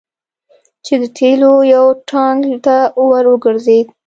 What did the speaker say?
چې د تیلو یو ټانګ ته ور وګرځید.